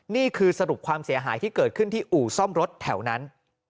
นี่คือสรุปความเสียหายที่เกิดขึ้นที่อู่ซ่อมรถแถวนั้น